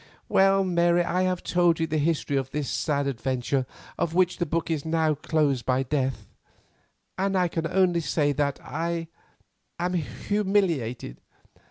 Well, Mary, I have told you the history of this sad adventure of which the book is now closed by death, and I can only say that I am humiliated.